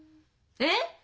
えっ！？